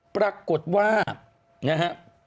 ปรากฏว่านะฮะ